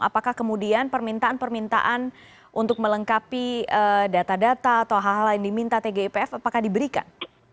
apakah kemudian permintaan permintaan untuk melengkapi data data atau hal hal yang diminta tgipf apakah diberikan